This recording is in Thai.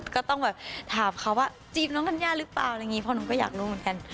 ก็ต้องแบบถามเขาว่าจีบน้องท่านย่าหรือเปล่าพอหนูก็อยากรู้เหมือนกัน